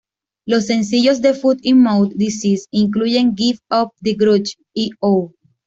Los sencillos de Foot In Mouth Disease incluyen "Give Up The Grudge" y "Oh!